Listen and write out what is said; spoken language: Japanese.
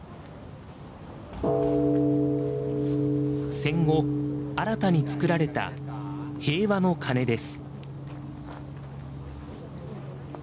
戦後、新たに作られた平和の鐘です。